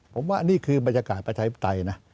ผมว่านี่คือบรรยากาศประชาธิปไตยนะ